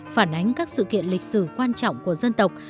phản ánh các sự kiện lịch sử quan trọng của dân tộc